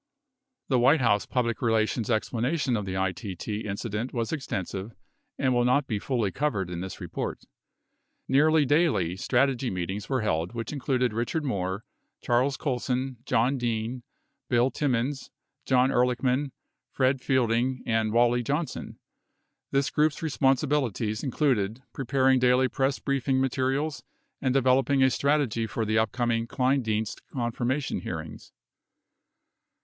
The White House public relations explanation of the ITT incident was extensive and will not be fully covered in this report. Nearly daily strategy meetings were held which included Bichard Moore, Charles Colson, John Dean, Bill Timmons, John Ehrlichman, Fred Fielding, and Wally Johnson. This group's responsibilities included preparing daily press briefing materials and developing a strategy for the upcoming Kleindienst confirmation hearings.